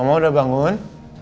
mama udah bangun